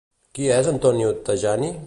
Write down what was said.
Qui és Antonio Tajani?